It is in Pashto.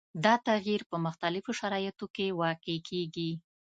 دا تغیر په مختلفو شرایطو کې واقع کیږي.